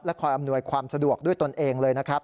คอยอำนวยความสะดวกด้วยตนเองเลยนะครับ